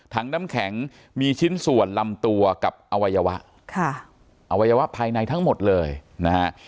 น้ำแข็งมีชิ้นส่วนลำตัวกับอวัยวะค่ะอวัยวะภายในทั้งหมดเลยนะฮะ